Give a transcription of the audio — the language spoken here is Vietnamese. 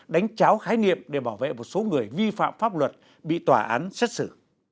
đánh cháo khái niệm để bảo vệ một số người vi phạm pháp luật bị tòa án xét xử